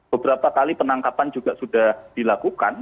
beberapa kali penangkapan juga sudah dilakukan